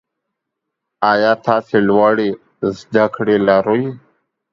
ایا تاسو لوړې زده کړې لرئ؟